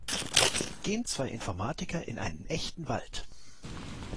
Gehen zwei Informatiker in einen echten Wald.